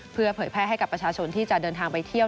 เพื่อเผยแพร่ให้กับประชาชนที่จะเดินทางไปเที่ยว